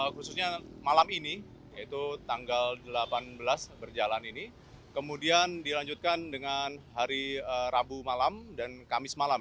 khususnya malam ini yaitu tanggal delapan belas berjalan ini kemudian dilanjutkan dengan hari rabu malam dan kamis malam